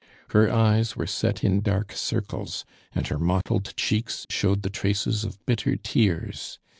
Her eyes were set in dark circles, and her mottled cheeks showed the traces of bitter tears.